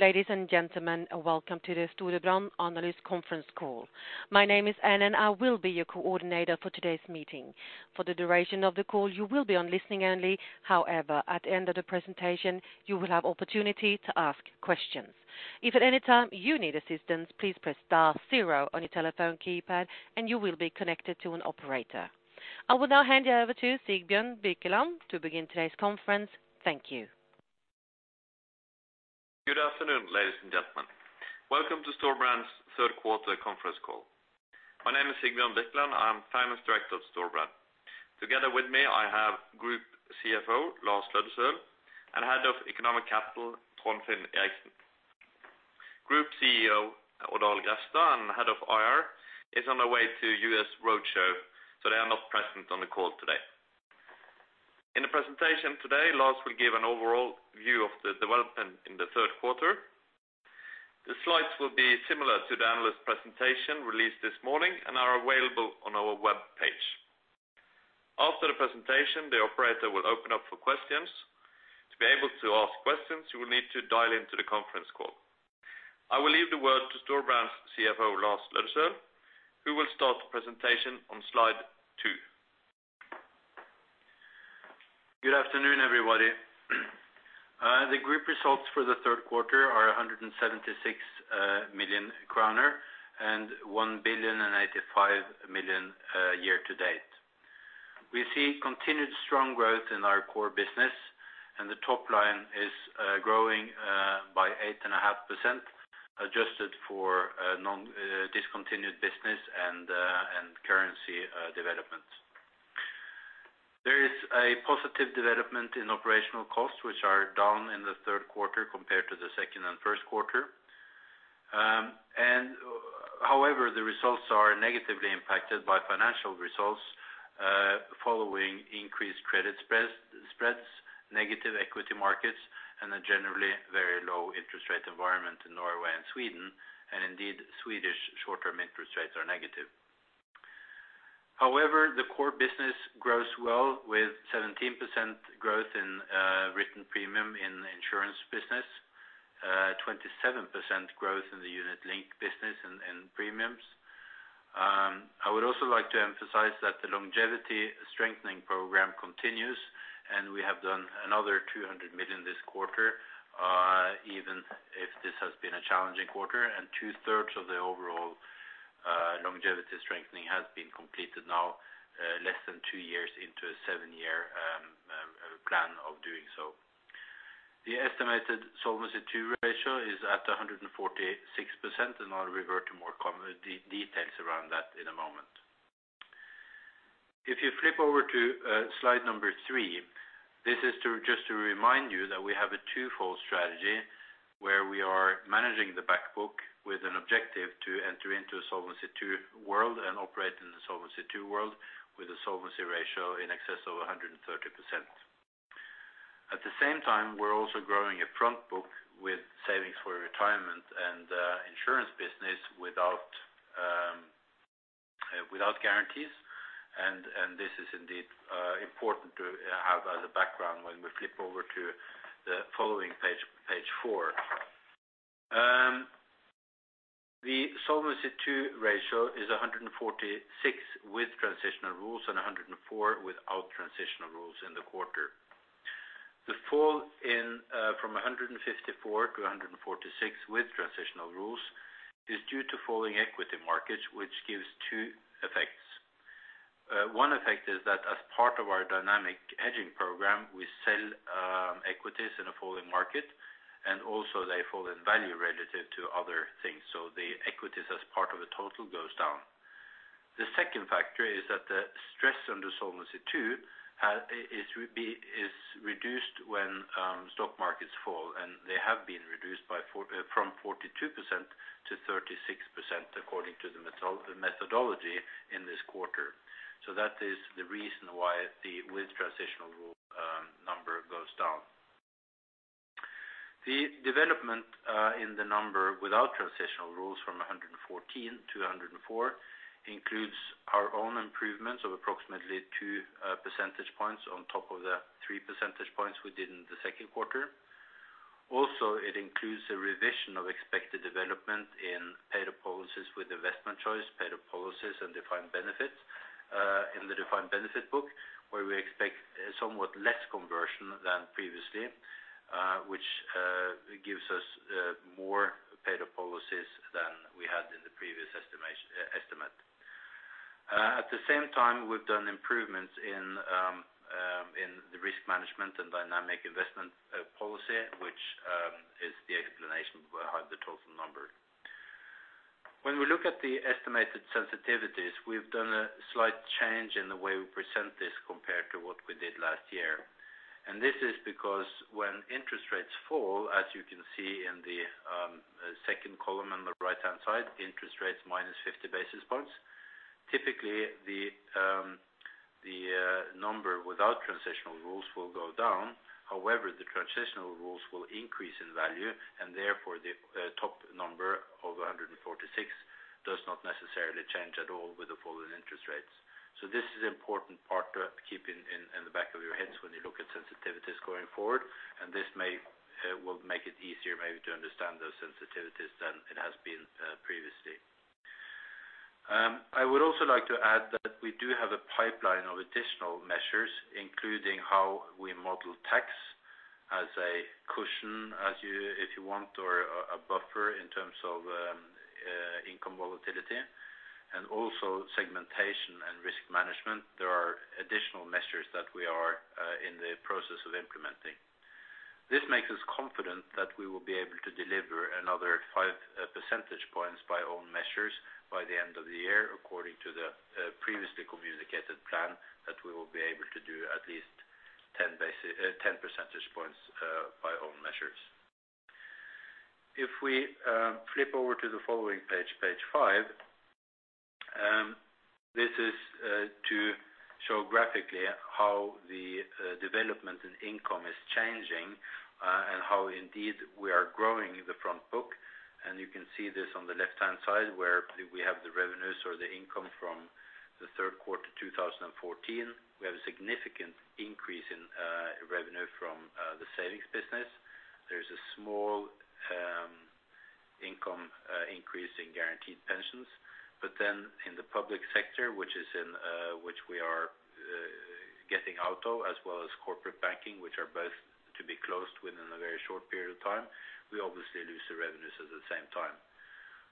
Ladies and gentlemen, welcome to the Storebrand Analyst Conference Call. My name is Anna, and I will be your coordinator for today's meeting. For the duration of the call, you will be on listening only. However, at the end of the presentation, you will have opportunity to ask questions. If at any time you need assistance, please press star zero on your telephone keypad, and you will be connected to an operator. I will now hand you over to Sigbjørn Birkelund to begin today's conference. Thank you. Good afternoon, ladies and gentlemen. Welcome to Storebrand's third quarter conference call. My name is Sigbjørn Birkelund. I'm Finance Director of Storebrand. Together with me, I have Group CFO, Lars Løddesøl, and Head of Economic Capital, Trond Finn Eriksen. Group CEO, Odd Arild Grefstad, and Head of IR is on their way to U.S. roadshow, so they are not present on the call today. In the presentation today, Lars will give an overall view of the development in the third quarter. The slides will be similar to the analyst presentation released this morning and are available on our webpage. After the presentation, the operator will open up for questions. To be able to ask questions, you will need to dial into the conference call. I will leave the word to Storebrand's CFO, Lars Løddesøl, who will start the presentation on slide two. Good afternoon, everybody. The group results for the third quarter are 176 million kroner, and 1,085,000,000 year to date. We see continued strong growth in our core business, and the top line is growing by 8.5%, adjusted for discontinued business and currency developments. There is a positive development in operational costs, which are down in the third quarter compared to the second and first quarter. However, the results are negatively impacted by financial results following increased credit spreads, negative equity markets, and a generally very low-interest rate environment in Norway and Sweden, and indeed, Swedish short-term interest rates are negative. However, the core business grows well, with 17% growth in written premium in insurance business, 27% growth in the unit-linked business in premiums. I would also like to emphasize that the longevity strengthening program continues, and we have done another 200 million this quarter, even if this has been a challenging quarter, and two-thirds of the overall longevity strengthening has been completed now, less than two years into a seven-year plan of doing so. The estimated Solvency II ratio is at 146%, and I'll revert to more common details around that in a moment. If you flip over to slide three, this is just to remind you that we have a twofold strategy where we are managing the back book with an objective to enter into a Solvency II world and operate in the Solvency II world with a solvency ratio in excess of 130%. At the same time, we're also growing a front book with savings for retirement and insurance business without guarantees, and this is indeed important to have as a background when we flip over to the following page, page four. The Solvency II ratio is 146% with transitional rules and 104% without transitional rules in the quarter. The fall in from 154%-146% with transitional rules is due to falling equity markets, which gives two effects. One effect is that as part of our dynamic hedging program, we sell equities in a falling market, and also, they fall in value relative to other things, so the equities as part of the total goes down. The second factor is that the stress under Solvency II is reduced when stock markets fall, and they have been reduced from 42%-36%, according to the methodology in this quarter. So that is the reason why the with transitional rule number goes down. The development in the number without transitional rules from 114%-104% includes our own improvements of approximately two percentage points on top of the three percentage points we did in the second quarter. Also, it includes a revision of expected development in paid-up policies with investment choice, paid-up policies, and defined benefits in the defined benefit book, where we expect somewhat less conversion than previously, which gives us more paid-up policies than we had in the previous estimate. At the same time, we've done improvements in the risk management and dynamic investment policy, which is the explanation behind the total number. When we look at the estimated sensitivities, we've done a slight change in the way we present this compared to what we did last year. This is because when interest rates fall, as you can see in the second column on the right-hand side, interest rates -50 basis points. Typically, the number without transitional rules will go down. However, the transitional rules will increase in value, and therefore, the SCR does not necessarily change at all with the falling interest rates. So, this is an important part to keep in the back of your heads when you look at sensitivities going forward, and this may will make it easier maybe to understand those sensitivities than it has been previously. I would also like to add that we do have a pipeline of additional measures, including how we model tax as a cushion, if you want, or a buffer in terms of income volatility, and also segmentation and risk management. There are additional measures that we are in the process of implementing. This makes us confident that we will be able to deliver another five percentage points by own measures by the end of the year, according to the previously communicated plan, that we will be able to do at least 10 percentage points by own measures. If we flip over to the following page, page five, this is to show graphically how the development in income is changing, and how indeed, we are growing in the front book. And you can see this on the left-hand side, where we have the revenues or the income from the third quarter, 2014. We have a significant increase in revenue from the savings business. There's a small income increase in guaranteed pensions. But then in the public sector, which we are getting out of, as well as corporate banking, which are both to be closed within a very short period of time, we obviously lose the revenues at the same time.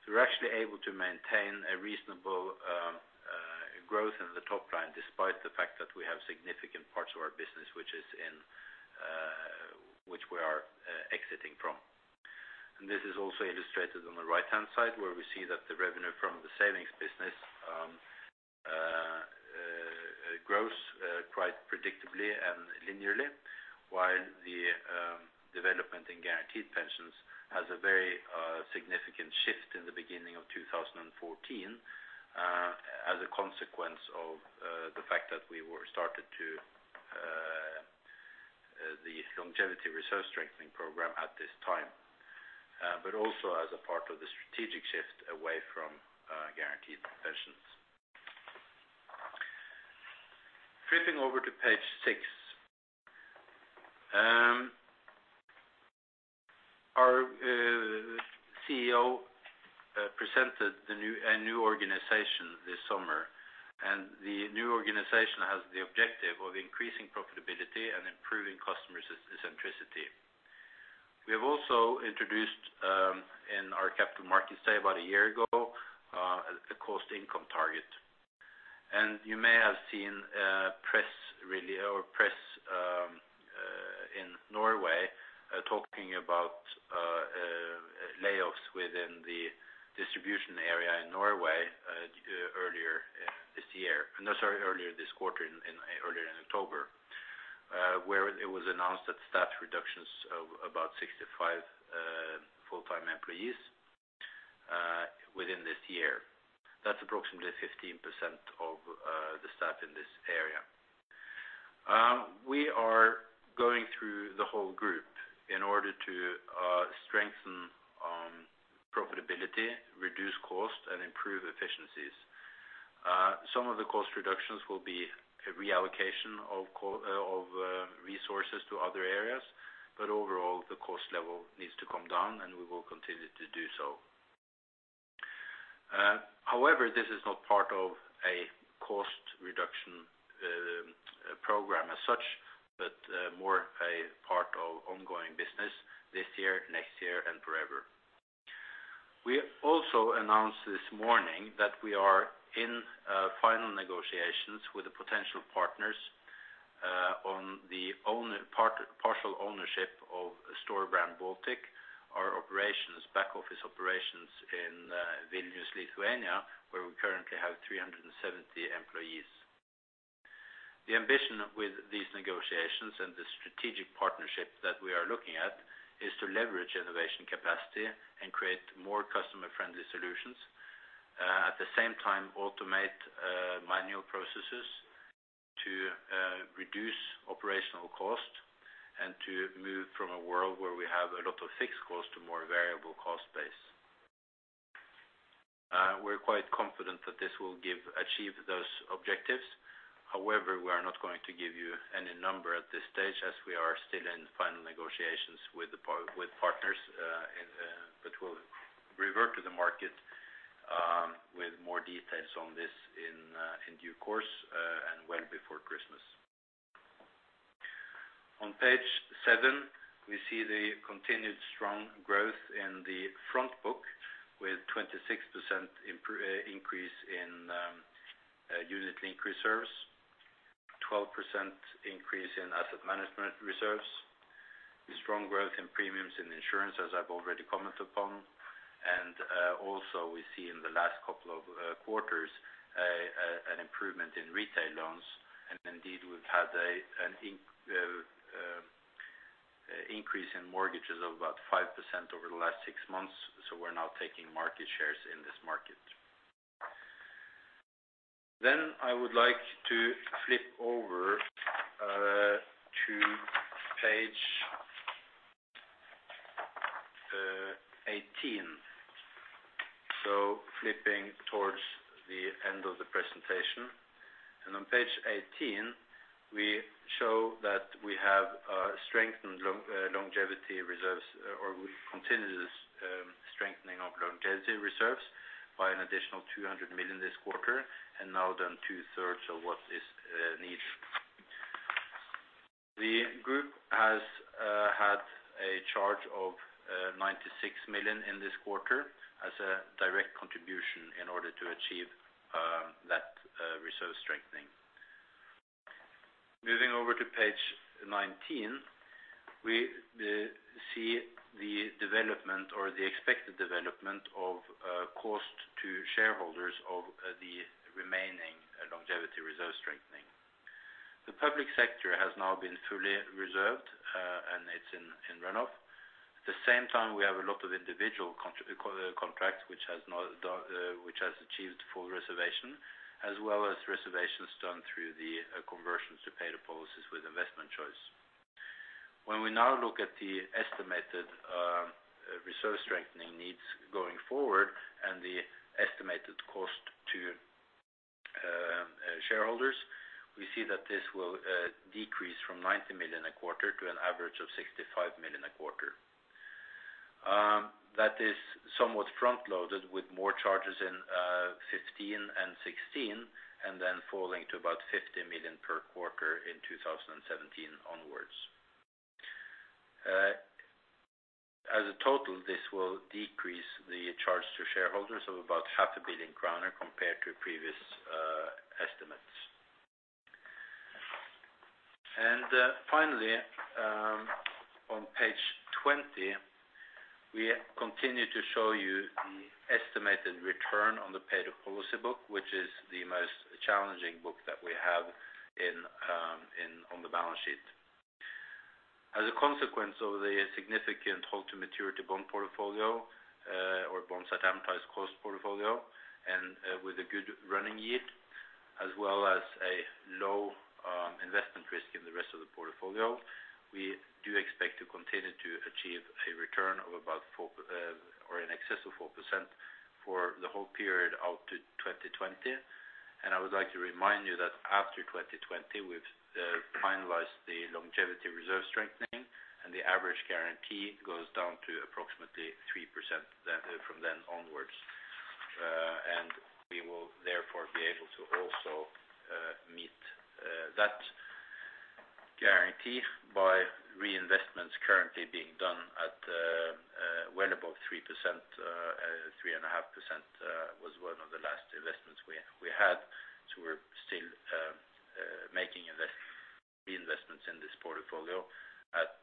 We're actually able to maintain a reasonable growth in the top line, despite the fact that we have significant parts of our business, which we are exiting from. This is also illustrated on the right-hand side, where we see that the revenue from the savings business grows quite predictably and linearly, while the development in guaranteed pensions has a very significant shift in the beginning of 2014, as a consequence of the fact that we were started to the longevity reserve strengthening program at this time, but also as a part of the strategic shift away from guaranteed pensions. Flipping over to page six, our CEO presented a new organization this summer, and the new organization has the objective of increasing profitability and improving customer centricity. We have also introduced, in our capital markets, say, about a year ago, a cost income target. You may have seen press really or press in Norway, talking about layoffs within the distribution area in Norway earlier this year. No, sorry, earlier this quarter, earlier in October, where it was announced that staff reductions of about 65 full-time employees within this year. That's approximately 15% of the staff in this area. We are going through the whole group in order to strengthen profitability, reduce cost, and improve efficiencies. Some of the cost reductions will be a reallocation of resources to other areas, but overall, the cost level needs to come down, and we will continue to do so. However, this is not part of a cost reduction program as such, but more a part of ongoing business this year, next year, and forever. We also announced this morning that we are in final negotiations with the potential partners on partial ownership of Storebrand Baltic, our operations, back-office operations in Vilnius, Lithuania, where we currently have 370 employees. The ambition with these negotiations and the strategic partnership that we are looking at is to leverage innovation capacity and create more customer-friendly solutions. At the same time, automate manual processes to reduce operational cost and to move from a world where we have a lot of fixed cost to more variable cost base. We're quite confident that this will achieve those objectives. However, we are not going to give you any number at this stage, as we are still in final negotiations with the par, with partners, but we'll revert to the market, with more details on this in, in due course, and well before Christmas. On page seven, we see the continued strong growth in the front book, with 26% increase in Unit Linked reserves, 12% increase in asset management reserves, the strong growth in premiums and insurance, as I've already commented upon. Also, we see in the last couple of quarters, an improvement in retail loans. And indeed, we've had an increase in mortgages of about 5% over the last six months, so we're now taking market shares in this market. Then I would like to flip over to page 18. So, flipping towards the end of the presentation, and on page 18, we show that we have strengthened longevity reserves, or we continue this strengthening of longevity reserves by an additional 200 million this quarter, and now done 2/3 of what is needed. The group has had a charge of 96 million in this quarter as a direct contribution in order to achieve that reserve strengthening. Moving over to page 19, we see the development or the expected development of cost to shareholders of the remaining longevity reserve strengthening. The public sector has now been fully reserved, and it's in runoff. At the same time, we have a lot of individual contracts, which has achieved full reservation, as well as reservations done through the conversions to paid-up policies with investment choice. When we now look at the estimated reserve strengthening needs going forward and the estimated cost to shareholders, we see that this will decrease from 90 million a quarter to an average of 65 million a quarter. That is somewhat front loaded, with more charges in 2015 and 2016, and then falling to about 50 million per quarter in 2017 onwards. As a total, this will decrease the charge to shareholders of about 500 million kroner compared to previous estimates. And, finally, on page 20, we continue to show you the estimated return on the paid-up policy book, which is the most challenging book that we have in on the balance sheet. As a consequence of the significant hold to maturity bond portfolio, or bonds at amortized cost portfolio, and with a good running yield, as well as a low investment risk in the rest of the portfolio, we do expect to continue to achieve a return of about 4% or in excess of 4% for the whole period out to 2020. And I would like to remind you that after 2020, we've finalized the longevity reserve strengthening, and the average guarantee goes down to approximately 3% then, from then onwards. And we will therefore be able to also meet that guarantee by reinvestments currently being done at well above 3%. 3.5% was one of the last investments we had. So, we're still making reinvestments in this portfolio at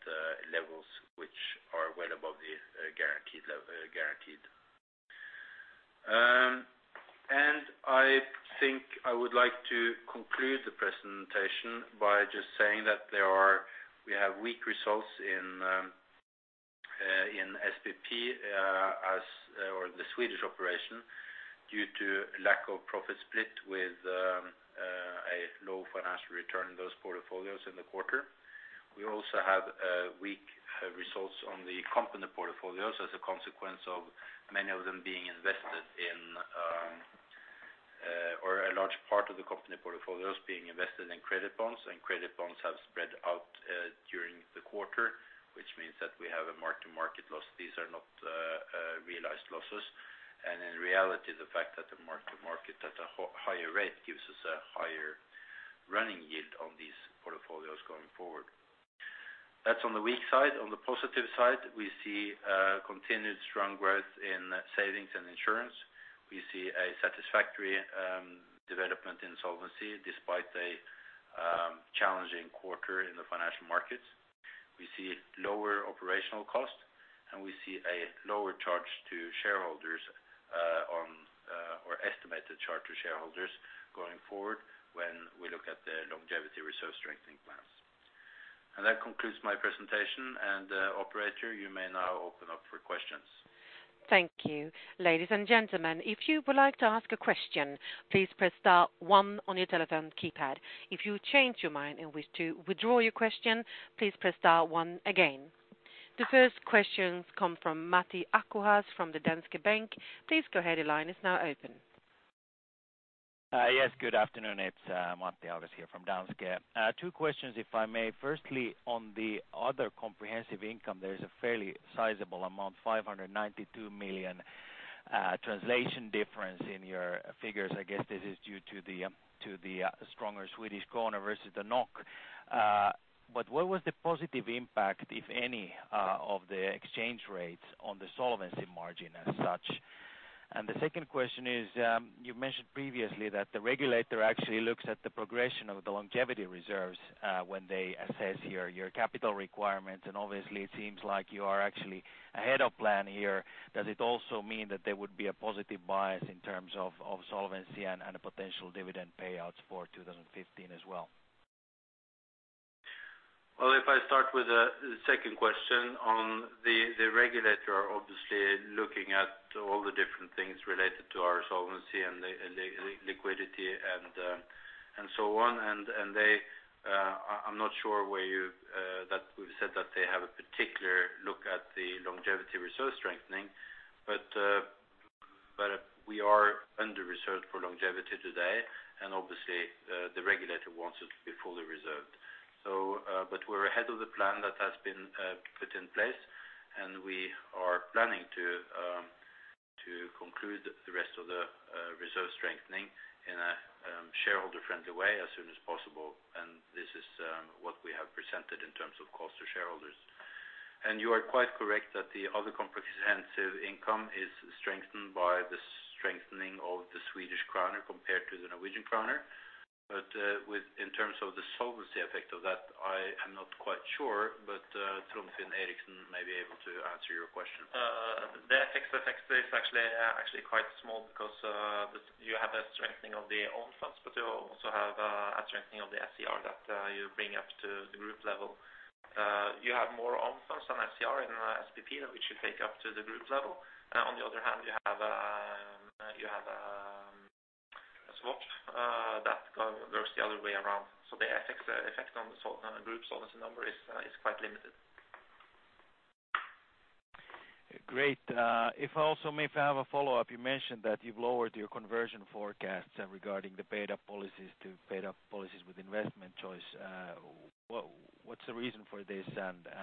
levels which are well above the guaranteed level, guaranteed. And I think I would like to conclude the presentation by just saying that there are- we have weak results in SPP, as, or the Swedish operation, due to lack of profit split with a low financial return in those portfolios in the quarter. We also have weak results on the company portfolios as a consequence of many of them being invested in or a large part of the company portfolios being invested in credit bonds, and credit bonds have spread out during the quarter, which means that we have a mark to market loss. These are not realized losses. And in reality, the fact that the mark to market at a higher rate gives us a higher running yield on these portfolios going forward. That's on the weak side. On the positive side, we see continued strong growth in savings and insurance. We see a satisfactory development in solvency despite a challenging quarter in the financial markets. We see lower operational costs, and we see a lower charge to shareholders, on, or estimated charge to shareholders going forward when we look at the longevity reserve strengthening plans. That concludes my presentation, and, operator, you may now open up for questions. Thank you. Ladies and gentlemen, if you would like to ask a question, please press star one on your telephone keypad. If you change your mind and wish to withdraw your question, please press star one again. The first question comes from Matti Ahokas from the Danske Bank. Please go ahead, your line is now open. Yes, good afternoon. It's Matti Ahokas here from Danske. Two questions, if I may. Firstly, on the other comprehensive income, there is a fairly sizable amount, 592 million, translation difference in your figures. I guess this is due to the stronger Swedish krona versus the NOK. But what was the positive impact, if any, of the exchange rates on the solvency margin as such? And the second question is, you mentioned previously that the regulator actually looks at the progression of the longevity reserves, when they assess your capital requirements, and obviously it seems like you are actually ahead of plan here. Does it also mean that there would be a positive bias in terms of solvency and a potential dividend payouts for 2015 as well? ...Well, if I start with the second question on the regulator, obviously looking at all the different things related to our solvency and the liquidity and so on. And they, I'm not sure where you that we've said that they have a particular look at the longevity reserve strengthening. But we are under reserved for longevity today, and obviously, the regulator wants it to be fully reserved. So, but we're ahead of the plan that has been put in place, and we are planning to conclude the rest of the reserve strengthening in a shareholder-friendly way as soon as possible, and this is what we have presented in terms of cost to shareholders. You are quite correct that the other comprehensive income is strengthened by the strengthening of the Swedish kroner compared to the Norwegian kroner. But, within terms of the solvency effect of that, I am not quite sure, but, Trond Finn Eriksen may be able to answer your question. The FX effect is actually quite small because you have a strengthening of the own funds, but you also have a strengthening of the SCR that you bring up to the group level. You have more own funds than SCR in SPP, which you take up to the group level. On the other hand, you have a swap that goes the other way around. So, the effect on the solvency, on the group solvency number is quite limited. Great. If I also may have a follow-up, you mentioned that you've lowered your conversion forecasts regarding the paid-up policies to paid-up policies with investment choice. What’s the reason for this,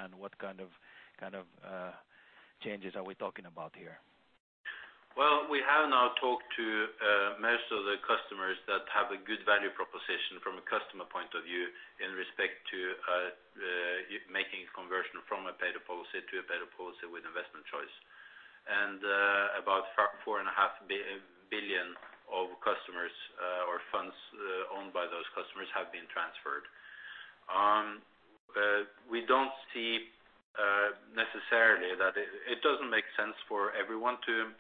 and what kind of changes are we talking about here? Well, we have now talked to most of the customers that have a good value proposition from a customer point of view, in respect to making a conversion from a paid-up policy to a paid-up policy with investment choice. And about 4.5 billion of customers, or funds, owned by those customers have been transferred. We don't see necessarily that it doesn't make sense for everyone to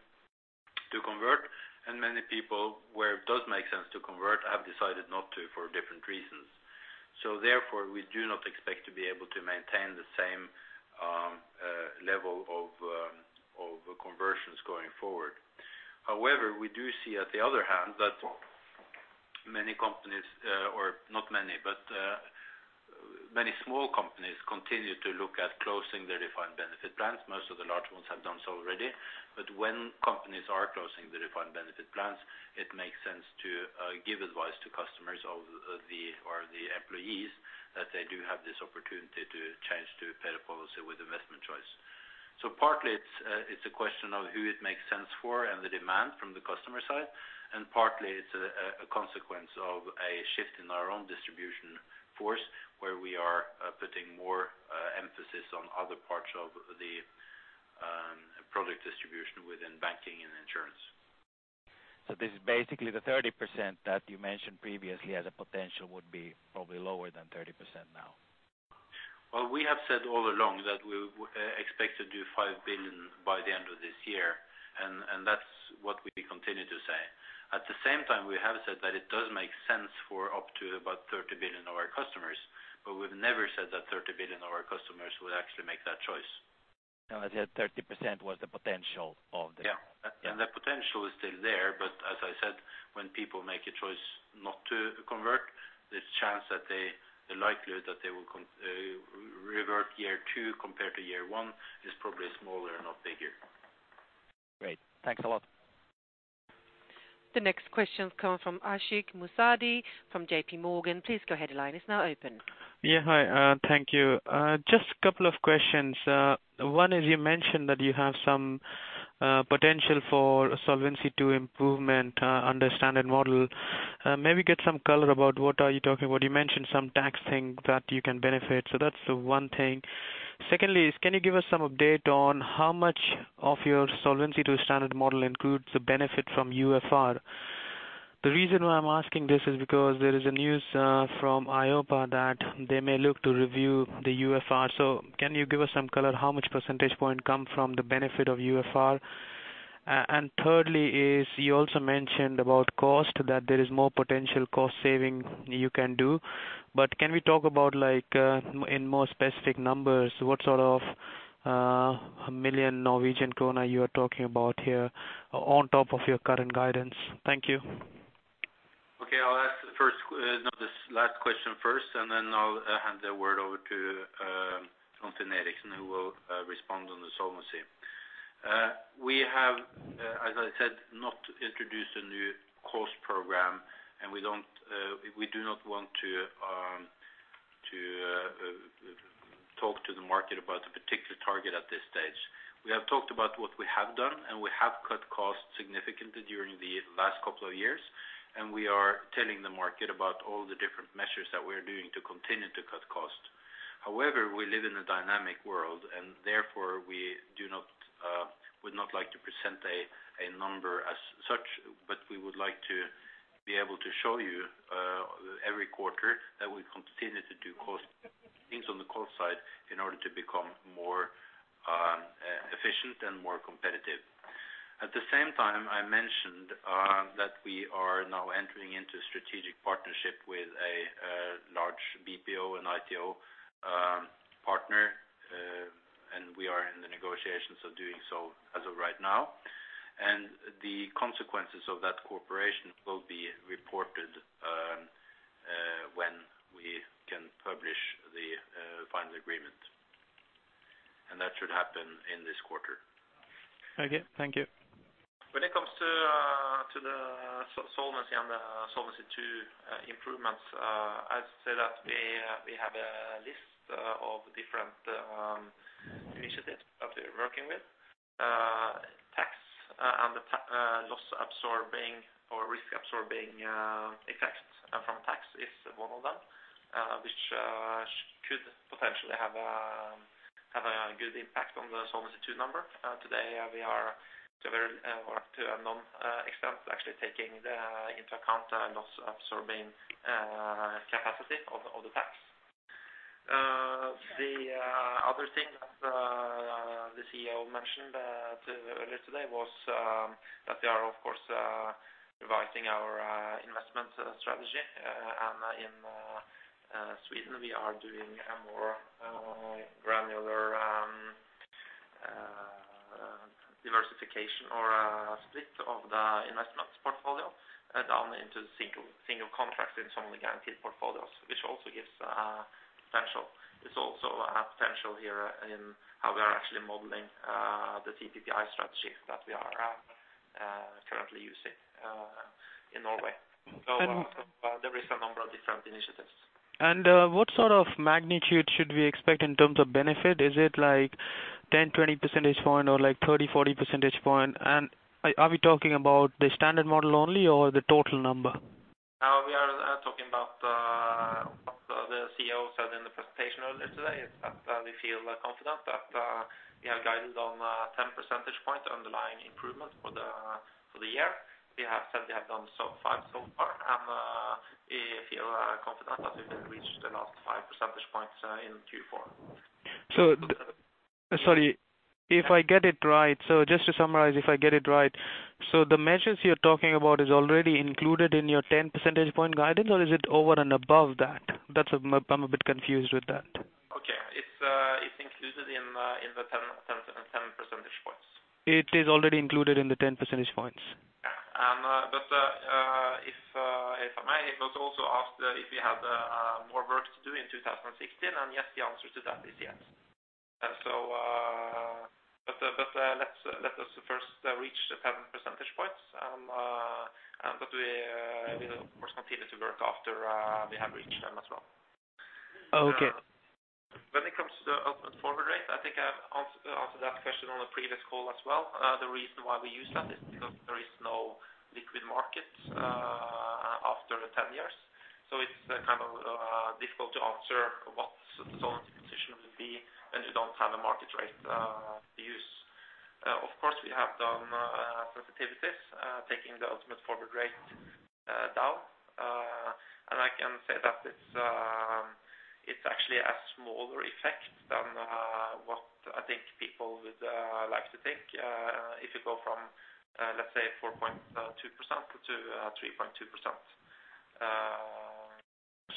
convert, and many people where it does make sense to convert have decided not to, for different reasons. So therefore, we do not expect to be able to maintain the same level of conversions going forward. However, we do see on the other hand that many companies, or not many, but many small companies continue to look at closing their defined benefit plans. Most of the large ones have done so already. But when companies are closing the defined benefit plans, it makes sense to give advice to customers of the, or the employees, that they do have this opportunity to change to a paid-up policy with investment choice. So partly, it's, it's a question of who it makes sense for and the demand from the customer side, and partly it's a consequence of a shift in our own distribution force, where we are putting more emphasis on other parts of the product distribution within banking and insurance. This is basically the 30% that you mentioned previously as a potential would be probably lower than 30% now? Well, we have said all along that we expect to do 5 billion by the end of this year, and that's what we continue to say. At the same time, we have said that it does make sense for up to about 30 billion of our customers, but we've never said that 30 billion of our customers would actually make that choice. No, I said 30% was the potential of the- Yeah. And the potential is still there, but as I said, when people make a choice not to convert, the chance that they... the likelihood that they will revert year two compared to year one, is probably smaller and not bigger. Great, thanks a lot. The next question comes from Ashik Musaddi from JPMorgan. Please go ahead, line is now open. Yeah, hi, thank you. Just a couple of questions. One is, you mentioned that you have some potential for Solvency II improvement, understand and model. Maybe get some color about what are you talking about? You mentioned some tax thing that you can benefit, so that's the one thing. Secondly, can you give us some update on how much of your Solvency II standard model includes the benefit from UFR? The reason why I'm asking this is because there is a news from EIOPA, that they may look to review the UFR. So, can you give us some color, how much percentage point come from the benefit of UFR? And thirdly, you also mentioned about cost, that there is more potential cost saving you can do. Can we talk about like, in more specific numbers, what sort of million Norwegian kroner you are talking about here on top of your current guidance? Thank you. Okay, I'll ask the first question, no, the last question first, and then I'll hand the word over to Trond Finn Eriksen, who will respond on the solvency. We have, as I said, not introduced a new cost program, and we don't, we do not want to talk to the market about a particular target at this stage. We have talked about what we have done, and we have cut costs significantly during the last couple of years, and we are telling the market about all the different measures that we are doing to continue to cut costs. However, we live in a dynamic world and therefore, we would not like to present a number as such, but we would like to be able to show you every quarter that we continue to do cost things on the cost in order to become more efficient and more competitive. At the same time, I mentioned that we are now entering into strategic partnership with a large BPO and ITO partner, and we are in the negotiations of doing so as of right now. And the consequences of that cooperation will be reported when we can publish the final agreement. And that should happen in this quarter. Okay, thank you. When it comes to the solvency and the Solvency II improvements, I'd say that we have a list of different initiatives that we're working with. Tax and the tax loss absorbing or risk absorbing effects from tax is one of them, which could potentially have a good impact on the Solvency II number. Today, we are to a very or to a non-extent, actually taking into account loss absorbing capacity of the tax. The other thing that the CEO mentioned earlier today was that we are, of course, revising our investment strategy. And in Sweden, we are doing a more granular diversification or a split of the investments portfolio down into single, single contracts in some of the guaranteed portfolios, which also gives potential. It's also a potential here in how we are actually modeling the CPPI strategy that we are currently using in Norway. And- There is a number of different initiatives. What sort of magnitude should we expect in terms of benefit? Is it like 10-20 percentage points or like 30-40 percentage points? Are we talking about the standard model only or the total number? We are talking about what the CEO said in the presentation earlier today, is that we feel confident that we have guided on 10 percentage points underlying improvement for the year. We have said we have done so five so far, and we feel confident that we can reach the last five percentage points in Q4. Sorry, if I get it right, so just to summarize, if I get it right, so the measures you're talking about is already included in your 10 percentage point guidance, or is it over and above that? That's... I'm a bit confused with that. Okay. It's included in the 10 percentage points. It is already included in the 10 percentage points. Yeah. And, but, if I may, it was also asked if we had more work to do in 2016, and yes, the answer to that is yes. And so, but, but, let us first reach the 10 percentage points, and, and but we, we'll, of course, continue to work after we have reached them as well. Okay. When it comes to the ultimate forward rate, I think I've answered that question on a previous call as well. The reason why we use that is because there is no liquid market after 10 years. So, it's kind of difficult to answer what solvency position would be, and you don't have a market rate to use. Of course, we have done sensitivities taking the ultimate forward rate down. And I can say that it's actually a smaller effect than what I think people would like to think. If you go from, let's say 4.2%-3.2%,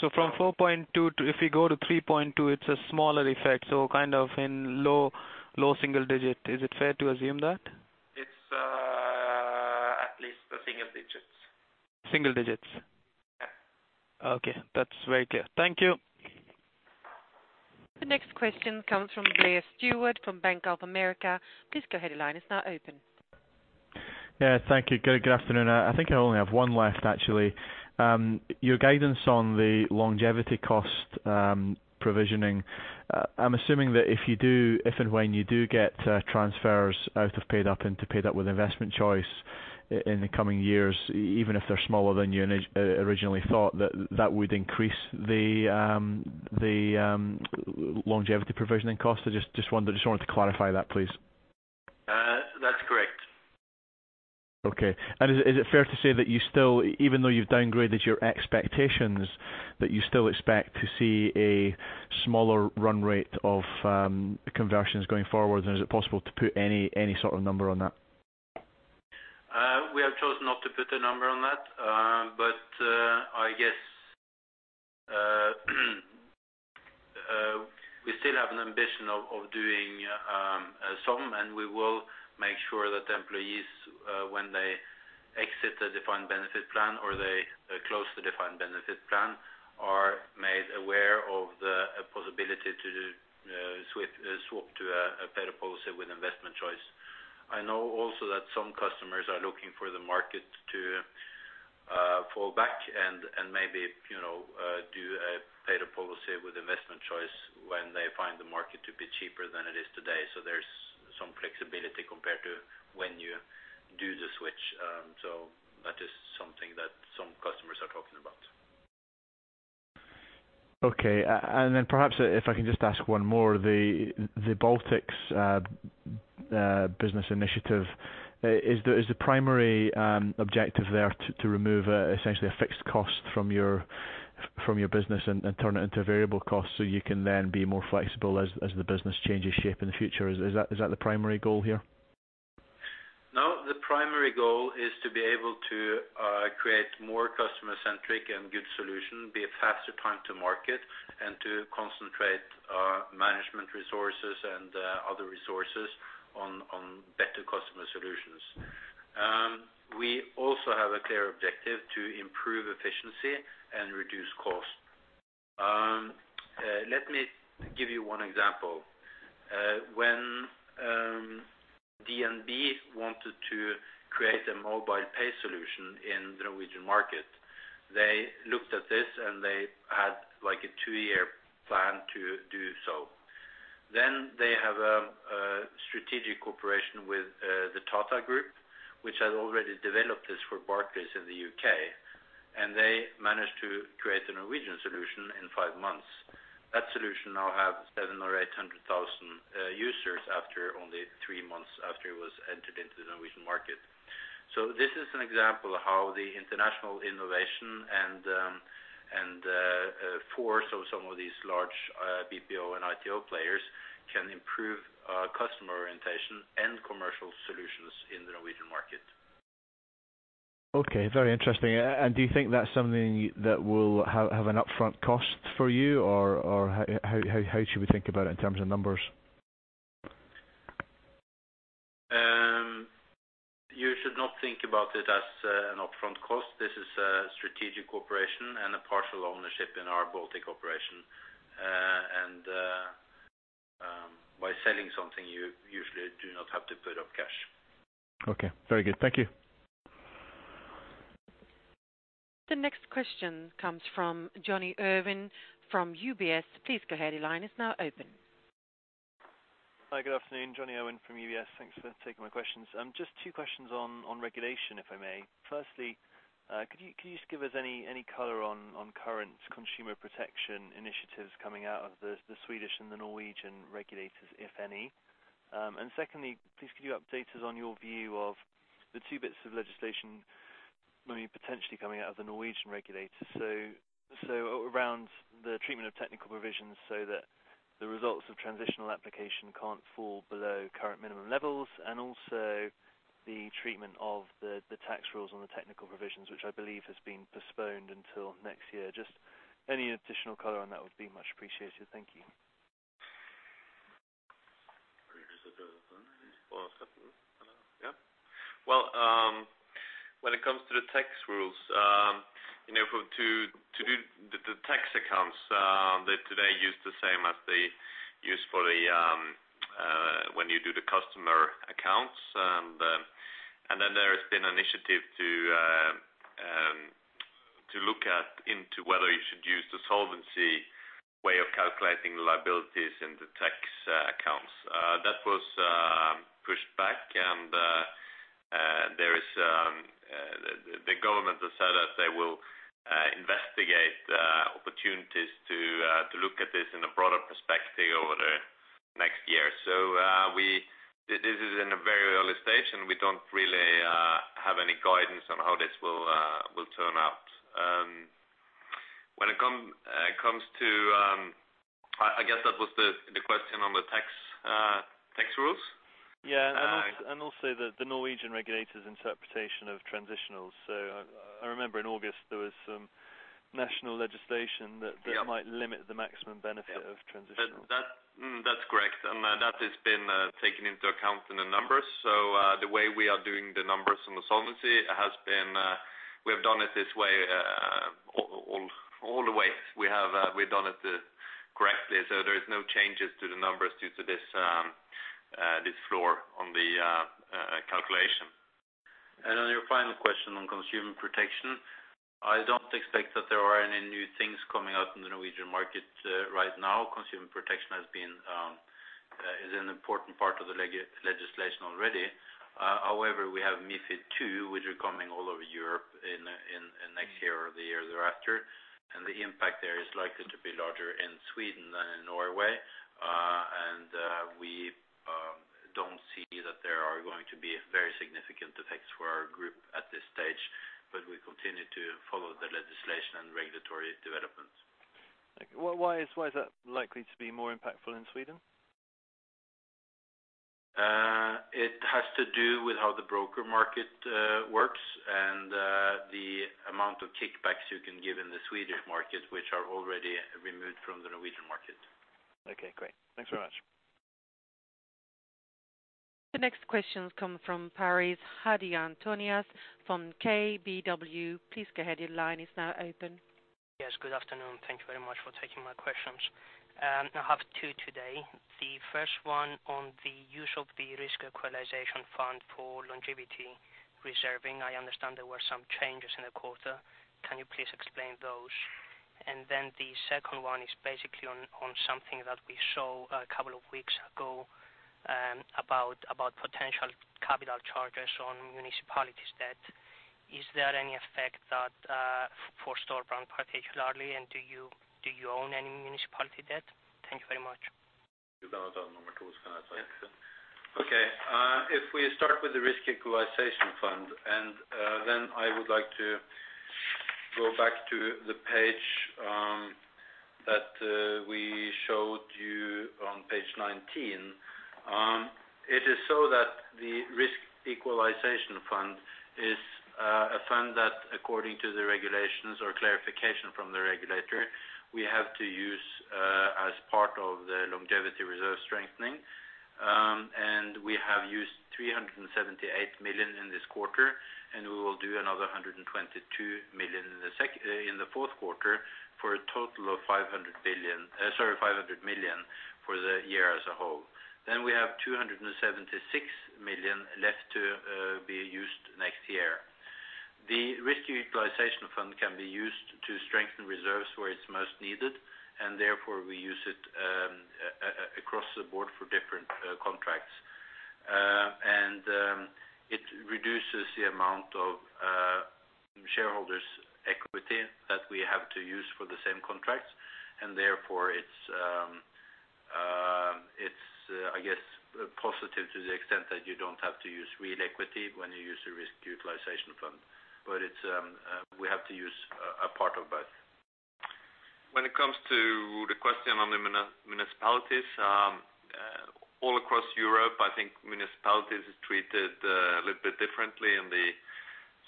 So, from 4.2% to, if we go to 3.2%, it's a smaller effect, so kind of in low, low single digit. Is it fair to assume that? It's at least the single digits. Single digits? Yeah. Okay. That's very clear. Thank you. The next question comes from Blair Stewart, from Bank of America. Please go ahead, your line is now open. Yeah, thank you. Good afternoon. I think I only have one left, actually. Your guidance on the longevity cost provisioning, I'm assuming that if you do—if and when you do get transfers out of paid-up into paid-up with investment choice in the coming years, even if they're smaller than you originally thought, that, that would increase the longevity provisioning cost? I just, just wanted to clarify that, please. That's correct. Okay. And is it fair to say that you still, even though you've downgraded your expectations, that you still expect to see a smaller run rate of conversions going forward? And is it possible to put any sort of number on that? We have chosen not to put a number on that. But, I guess, we still have an ambition of doing some, and we will make sure that the employees, when they exit the defined benefit plan or they close the defined benefit plan, are made aware of the possibility to switch, swap to a better policy with investment choice. I know also that some customers are looking for the market to fall back and maybe, you know, do a better policy with investment choice when they find the market to be cheaper than it is today. So, there's some flexibility compared to when you do the switch, so that is something that some customers are talking about. Okay. And then perhaps if I can just ask one more, the Baltics business initiative. Is the primary objective there to remove essentially a fixed cost from your business and turn it into a variable cost, so you can then be more flexible as the business changes shape in the future? Is that the primary goal here? No, the primary goal is to be able to create more customer-centric and good solution, be a faster time to market, and to concentrate management resources and other resources on better customer solutions. We also have a clear objective to improve efficiency and reduce cost. Let me give you one example. When DNB wanted to create a mobile pay solution in the Norwegian market, they looked at this, and they had, like, a two-year plan to do so. Then they have a strategic cooperation with the Tata Group, which had already developed this for Barclays in the U.K., and they managed to create a Norwegian solution in five months. That solution now have 700,000 or 800,000 users after only three months after it was entered into the Norwegian market. So this is an example of how the international innovation and force of some of these large BPO and ITO players can improve customer orientation and commercial solutions in the Norwegian market. Okay, very interesting. And do you think that's something that will have an upfront cost for you, or how should we think about it in terms of numbers? You should not think about it as an upfront cost. This is a strategic operation and a partial ownership in our Baltic operation. By selling something, you usually do not have to put up cash. Okay, very good. Thank you. The next question comes from Jonny Urwin from UBS. Please go ahead, your line is now open. Hi, good afternoon, Jonny Urwin from UBS, thanks for taking my questions. Just two questions on regulation, if I may. Firstly, could you just give us any color on current consumer protection initiatives coming out of the Swedish and the Norwegian regulators, if any? And secondly, please, could you update us on your view of the two bits of legislation maybe potentially coming out of the Norwegian regulators? So, around the treatment of technical provisions, so that the results of transitional application can't fall below current minimum levels, and also the treatment of the tax rules on the technical provisions, which I believe has been postponed until next year. Just any additional color on that would be much appreciated. Thank you. Well, when it comes to the tax rules, you know, for, to do the tax accounts, they today use the same as they use for the, when you do the customer accounts. There has been an initiative to look at into whether you should use the solvency way of calculating liabilities in the tax accounts. That was pushed back, and the government has said that they will investigate opportunities to look at this in a broader perspective over the next year. This is in a very early stage, and we don't really have any guidance on how this will turn out. When it comes to... I guess that was the question on the tax rules? Yeah. Uh- And also, the Norwegian regulator's interpretation of transitionals. So I remember in August, there was some national legislation that- Yeah that might limit the maximum benefit. Yeah -of transitionals. That, that's correct, and that has been taken into account in the numbers. So, the way we are doing the numbers on the solvency has been, we have done it this way, all the way. We have, we've done it correctly, so there is no changes to the numbers due to this, this floor on the calculation. And on your final question on consumer protection, I don't expect that there are any new things coming out in the Norwegian market right now. Consumer protection has been, is an important part of the legislation already. However, we have MiFID II, which are coming all over Europe in, in next year or the year thereafter, and the impact there is likely to be larger in Sweden than in Norway. We don't see that there are going to be very significant effects for our group at this stage, but we continue to follow the legislation and regulatory developments. Okay. Well, why is, why is that likely to be more impactful in Sweden? It has to do with how the broker market works and the amount of kickbacks you can give in the Swedish market, which are already removed from the Norwegian market. Okay, great. Thanks very much. The next questions come from Hadley Cohen from KBW. Please go ahead, your line is now open. Yes, good afternoon. Thank you very much for taking my questions. I have two today. The first one on the use of the Risk Equalization Fund for longevity reserving. I understand there were some changes in the quarter. Can you please explain those? And then the second one is basically on, on something that we saw a couple of weeks ago, about, about potential... capital charges on municipalities debt. Is there any effect that, for Storebrand particularly, and do you, do you own any municipality debt? Thank you very much. You're done on number two. Okay, if we start with the risk equalization fund, and then I would like to go back to the page that we showed you on page 19. It is so that the Risk Equalization Fund is a fund that according to the regulations or clarification from the regulator, we have to use as part of the longevity reserve strengthening. And we have used 378 million in this quarter, and we will do another 122 million in the fourth quarter, for a total of 500 billion, sorry, 500 million for the year as a whole. Then we have 276 million left to be used next year. The Risk Equalization Fund can be used to strengthen reserves where it's most needed, and therefore we use it across the board for different contracts. It reduces the amount of shareholders' equity that we have to use for the same contracts, and therefore it's positive to the extent that you don't have to use real equity when you use a Risk Equalization Fund. But it's, we have to use a part of both. When it comes to the question on the municipalities, all across Europe, I think municipalities is treated a little bit differently in the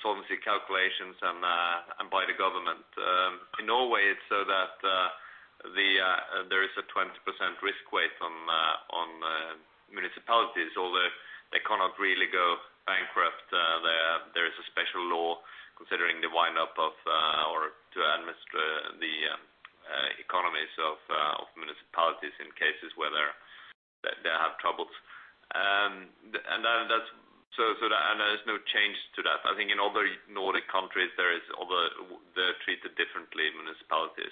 solvency calculations and by the government. In Norway, it's so that there is a 20% risk weight on the municipalities, although they cannot really go bankrupt, there is a special law considering the wind up of or to administer the economies of municipalities in cases where they have troubles. And then that's... So, so that and there's no change to that. I think in other Nordic countries, there is, although they're treated differently, municipalities.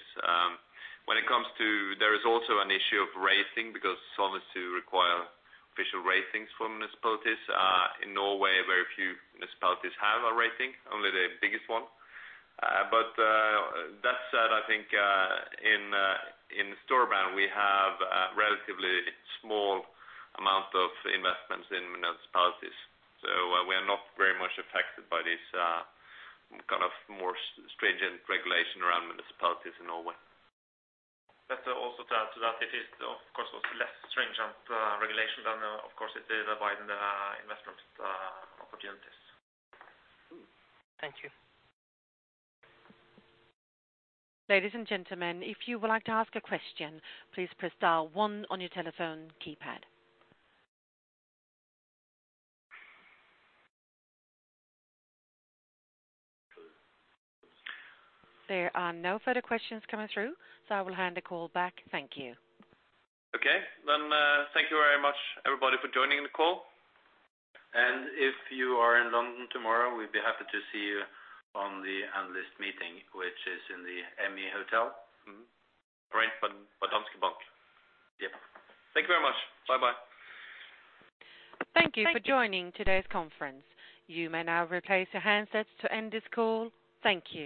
When it comes to, there is also an issue of rating, because some is to require official ratings from municipalities. In Norway, very few municipalities have a rating, only the biggest one. But that said, I think in Storebrand we have a relatively small amount of investments in municipalities, so we are not very much affected by this kind of more stringent regulation around municipalities in Norway. That's also to add to that, it is, of course, also less stringent regulation than, of course, it is abiding the investment opportunities. Thank you. Ladies and gentlemen, if you would like to ask a question, please press dial one on your telephone keypad. There are no further questions coming through, so I will hand the call back. Thank you. Okay. Then, thank you very much, everybody, for joining the call. If you are in London tomorrow, we'd be happy to see you on the analyst meeting, which is in the ME Hotel. Mm-hmm. Right, by Danske Bank. Yep. Thank you very much. Bye-bye. Thank you for joining today's conference. You may now replace your handsets to end this call. Thank you.